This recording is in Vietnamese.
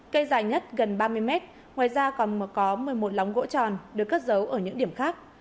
cây dài nhất gần ba mươi mét ngoài ra còn có một mươi một lóng gỗ tròn được cất giấu ở những điểm khác